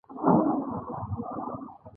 د نیم غوړي د سپږو لپاره وکاروئ